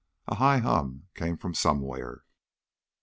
A high hum came from somewhere.